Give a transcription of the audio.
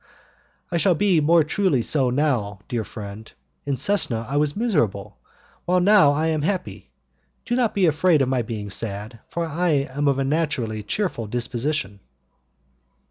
"I shall be more truly so now, dear friend. In Cesena I was miserable; while now I am happy. Do not be afraid of my being sad, for I am of a naturally cheerful disposition."